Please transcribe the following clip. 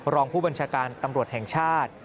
รองผู้บัญชาการตำรวจแห่งชาติ